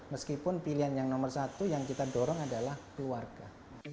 meskipun pilihan yang nomor satu yang kita dorong adalah keluarga